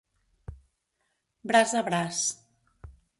Braç a braç.